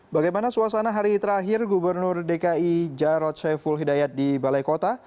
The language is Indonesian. bagaimana suasana hari terakhir gubernur dki jarod saiful hidayat di balai kota